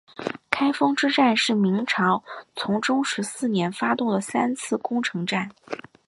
开封之战是明朝崇祯十四年发动的三次攻城战。